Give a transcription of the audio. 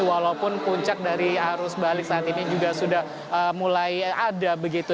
walaupun puncak dari arus balik saat ini juga sudah mulai ada begitu